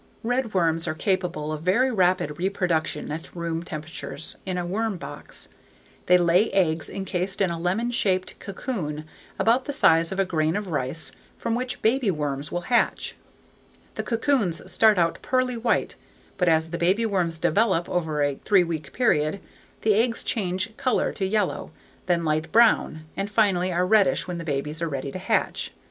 Redworms are capable of very rapid reproduction at room temperatures in a worm box. They lay eggs encased in a lemon shaped cocoon about the size of a grain of rice from which baby worms will hatch. The cocoons start out pearly white but as the baby worms develop over a three week period, the eggs change color to yellow, then light brown, and finally are reddish when the babies are ready to hatch.